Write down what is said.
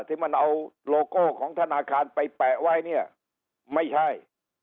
ที่มันเอาโลโก้ของธนาคารไปแปะไว้เนี่ยไม่ใช่